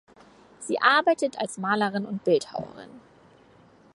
Sie arbeitet als Malerin und Bildhauerin.